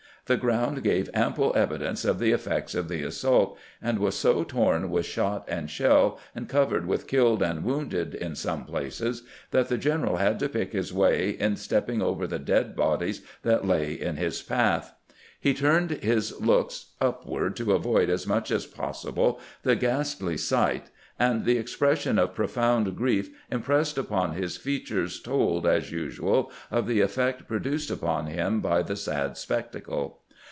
The ground gave ample evidence of the effects of the assault, and was so torn with shot and shell and covered with kiUed and wounded in some places that the general had to pick his way in stepping over the dead bodies that lay in his path. He turned his looks upward to avoid as much as possible the ghastly sight, and the expression of pro found grief impressed upon his features told, as usual, of the effect produced upon him by the sad spectacle.